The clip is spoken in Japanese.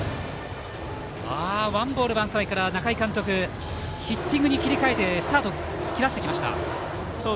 ワンボールワンストライクから中井監督ヒッティングに切り替えてサードを切らせてきました。